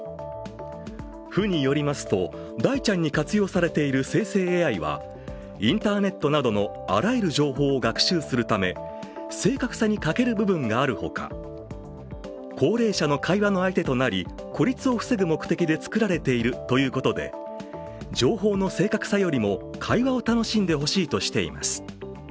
府によりますと、大ちゃんに活用されている生成ＡＩはインターネットなどのあらゆる情報を学習するため正確さに欠ける部分があるほか、高齢者の会話の相手となり、孤立を防ぐ目的で作られているということで情報の正確さよりも会話を楽しんでほしいとしています。